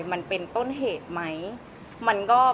มันเป็นต้นเหตุไหม